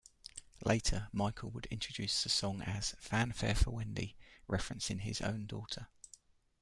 Later, Michael would introduce the song as "Fanfare for Wendy," referencing his own daughter.